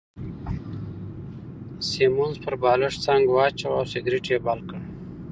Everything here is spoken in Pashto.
سیمونز پر بالښت څنګ واچاوه او سګرېټ يې بل کړ.